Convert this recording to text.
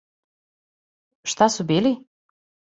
Шта су били?